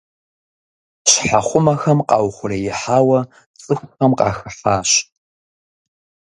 Щхьэхъумэхэм къаухъуреихьауэ цӏыхухэм къахыхьащ.